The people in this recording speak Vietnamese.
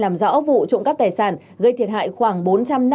làm rõ vụ trộm cắp tài sản gây thiệt hại khoảng bốn trăm năm mươi triệu đồng